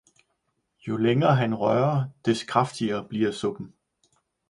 jo længer han rører, desto kraftigere bliver Suppen.